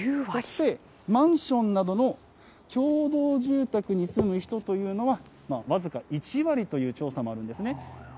そしてマンションなどの共同住宅に住む人というのは、僅か１割という調査もあるんですね。